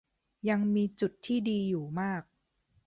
ยังมีจุดที่ดีอยู่มาก